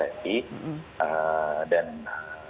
dan kita berhasil